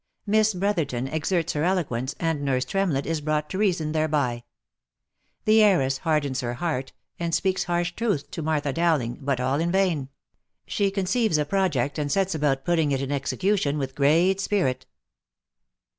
MISS BROTHERTON EXERTS HER ELOQUENCE, AND NURSE TREMLETT IS BROUGHT TO REASON THEREBY THE HEIRESS HARDENS HER HEART, AND SPEAKS HARSH TRUTHS TO MARTHA DOWLING, BUT ALL IN VAIN SHE CONCEIVES A PROJECT, AND SETS ABOUT PUTTING IT IN EXECUTION WITH GREAT SPIRIT.